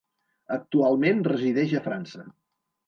Actualment resideix a França.